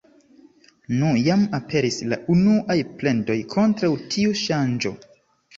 Nu, jam aperis la unuaj plendoj kontraŭ tiu ŝanĝo...